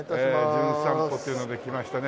『じゅん散歩』というので来ましたね